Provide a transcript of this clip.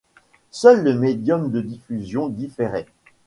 Seul le médium de diffusion différait.